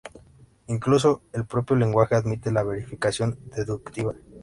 Incluso, el propio lenguaje admite la verificación deductiva.